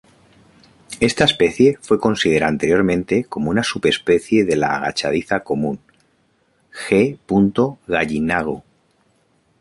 Esta especie fue considerada anteriormente como una subespecie de la agachadiza común, G. gallinago.